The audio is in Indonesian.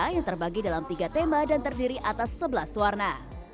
yang terbagi dalam tiga tema dan terdiri atas sebelas warna